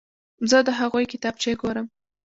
زه د هغوی کتابچې ګورم.